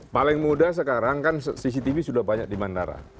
paling mudah sekarang kan cctv sudah banyak di bandara